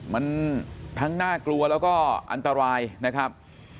มันทั้งน่ากลัวแล้วก็อันตรายนะครับ